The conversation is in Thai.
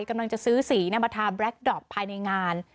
กำลังจะซื้อสีมาทาแบล็คดอปภายในงาน